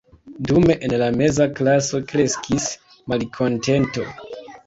Dume en la meza klaso kreskis malkontento.